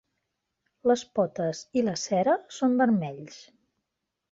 Les potes i la cera són vermells.